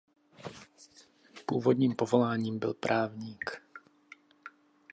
Původním povoláním byl právník.